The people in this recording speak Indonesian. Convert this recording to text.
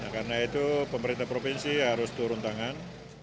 karena itu pemerintah provinsi harus turun tangan